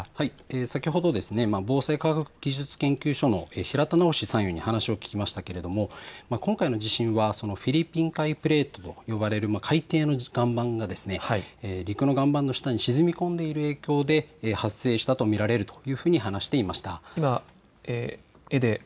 先ほど、防災科学技術研究所の平田直さんにお話を聞きましたが今回の地震はフィリピン海プレートと呼ばれる海底の岩盤が陸の岩盤の下に沈み込んでいる影響で発生したと見られるというふうに話していました。